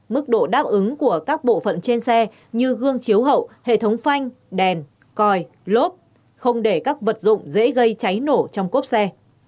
mức độ đáp ứng của các bộ phận trên xe như gương chiếu hậu hệ thống phanh đèn còi lốp không để các vật dụng dễ gây cháy nổ trong cốp xe